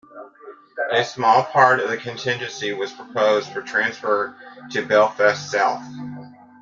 A small part of the constituency was proposed for transfer to Belfast South.